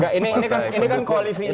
nah ini kan koalisi ini